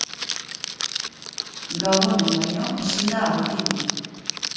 Gabonen baino ezin da aurkitu.